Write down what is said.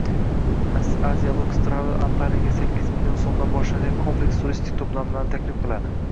Asialuxe Travel Antaliyagasakkizmln so‘mdan boshlanadigan kompleks turistik to‘plamlarni taklif qiladi